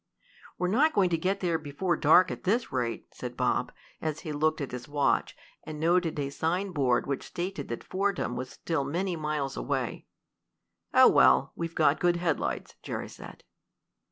"We're not going to get there before dark at this rate," said Bob, as he looked at his watch, and noted a sign board which stated that Fordham was still many miles away. "Oh, well, we've got good headlights," Jerry said.